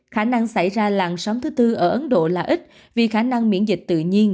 khả năng xảy ra làn sóng thứ tư ở ấn độ là ít vì khả năng miễn dịch tự nhiên